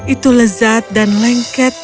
itu lezat dan lengket